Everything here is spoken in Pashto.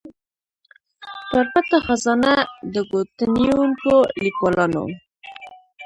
پر پټه خزانه د ګوتنیونکو ليکوالانو